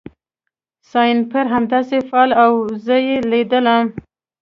سنایپر همداسې فعال و او زه یې لیدلم